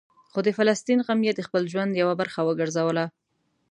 خو د فلسطین غم یې د خپل ژوند یوه برخه وګرځوله.